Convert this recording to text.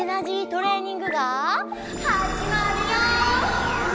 トレーニングがはじまるよ！